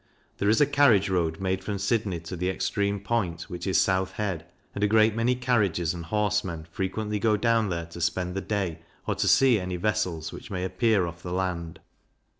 There is a carriage road made from Sydney to the extreme point, which is South Head, and a great many carriages and horsemen frequently go down there to spend the day, or to see any vessels which may appear off the land.